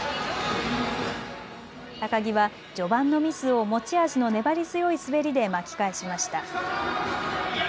高木は序盤のミスを持ち味の粘り強い滑りで巻き返しました。